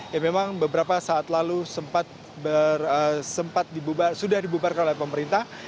yang memang beberapa saat lalu sudah dibubarkan oleh pemerintah